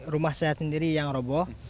rumah saya sendiri yang roboh